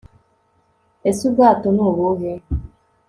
ese ubwato ni ubuhe